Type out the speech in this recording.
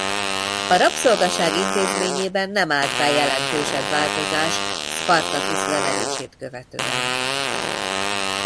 A rabszolgaság intézményében nem állt be jelentősebb változás Spartacus leverését követően.